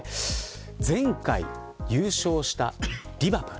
前回、優勝したリバプール。